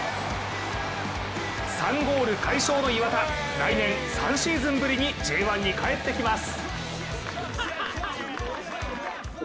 ３ゴール快勝の磐田、来年３シーズンぶりにＪ１に帰ってきます。